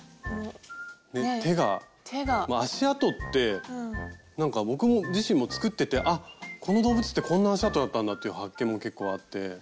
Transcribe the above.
手が足あとってなんか僕自身も作っててこの動物ってこんな足あとだったんだって発見も結構あって。